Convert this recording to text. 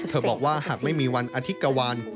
บอกว่าหากไม่มีวันอธิกวัล